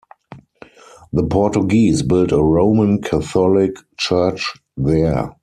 The Portuguese built a Roman Catholic Church there.